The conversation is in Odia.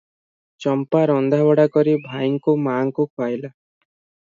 ଚମ୍ପା ରନ୍ଧା ବଢା କରି ଭାଇଙ୍କୁ ମା'ଙ୍କୁ ଖୁଆଇଲା ।